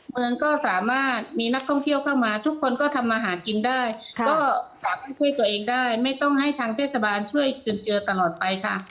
เมืองก็สามารถมีนักท่องเที่ยวเข้ามาทุกคนก็ทำอาหารกินได้ก็สามารถช่วยตัวเองได้ไม่ต้องให้ทางเทศบาลช่วยจนเจอตลอดไปค่ะ